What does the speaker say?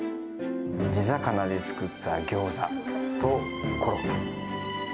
地魚で作ったギョーザとコロッケ。